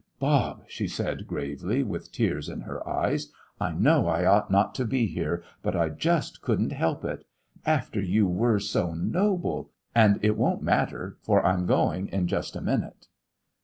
"Bob," she said, gravely, with tears in her eyes, "I know I ought not to be here, but I just couldn't help it! After you were so noble! And it won't matter, for I'm going in just a minute."